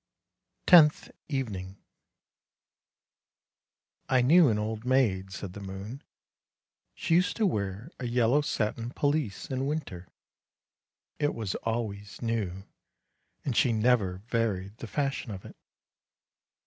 TENTH EVENING " I knew an old maid," said the moon; " she used to wear a yellow satin pelisse in winter. It was always new, and she never varied the fashion of it.